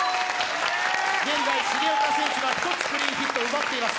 現在、重岡選手は１つクリーンヒットを奪っています。